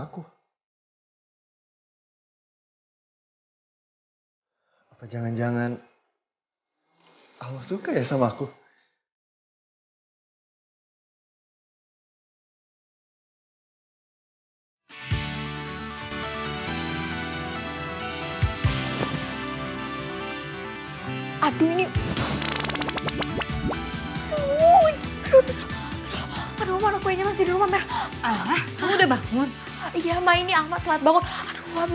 kurang dikit lagi dikit lagi